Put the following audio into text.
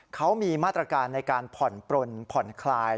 เขามีมาตรการในการผ่อนปลนผ่อนคลาย